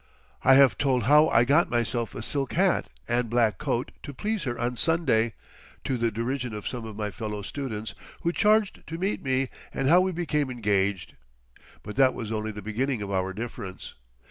... I have told how I got myself a silk hat and black coat to please her on Sunday—to the derision of some of my fellow students who charged to meet me, and how we became engaged. But that was only the beginning of our difference.